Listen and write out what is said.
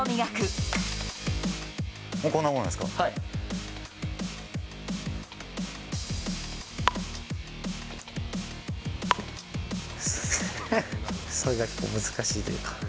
これが結構、難しいというか。